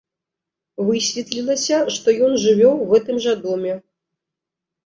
Высветлілася, што ён жыве ў гэтым жа доме.